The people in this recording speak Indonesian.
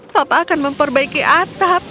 papa akan memperbaiki atap